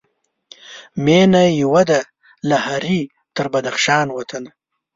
مېنه یوه ده له هري تر بدخشان وطنه